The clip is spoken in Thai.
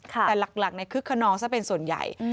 แต่หลักในคึกขนองซะเป็นส่วนใหญ่